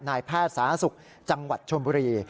นายแพทย์สาธารณสุขจังหวัดชมบุรี